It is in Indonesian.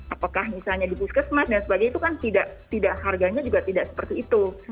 apakah misalnya di puskesmas dan sebagainya itu kan tidak harganya juga tidak seperti itu